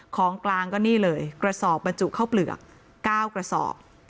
ของกลางก็นี่เลยกระสอบบรรจุเข้าเปลือก๙กระสอบ